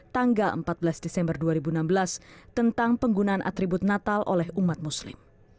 tanggal empat belas desember dua ribu enam belas tentang penggunaan atribut natal oleh umat muslim